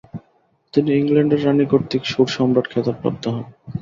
তিনি ইংল্যান্ডের রানী কর্তৃক সুরসম্রাট খেতাবপ্রাপ্ত হন।